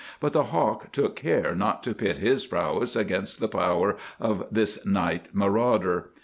But the hawk took care not to pit his prowess against the power of this night marauder.